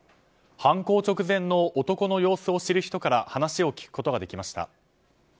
犯行直前の男の様子を知る人から話を聞くことができました。